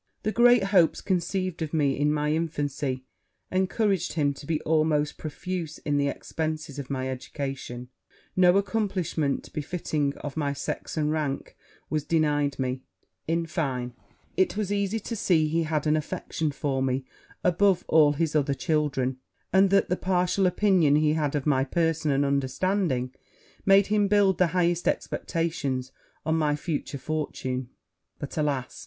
'The great hopes conceived of me in my infancy, encouraged him to be almost profuse in the expences of my education; no accomplishment befitting of my sex and rank was denied me: in fine, it was easy to see he had an affection for me above all his other children; and that the partial opinion he had of my person and understanding, made him build the highest expectations on my future fortune. 'But, alas!